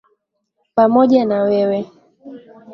Pamoja na wewe.